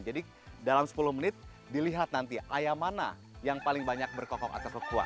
jadi dalam sepuluh menit dilihat nanti ayam mana yang paling banyak berkokok atau kukuak